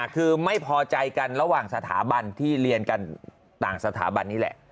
คือไม่พอใจกันระหว่างสถาบันที่เรียนกันต่างสถาบันนี่แหละ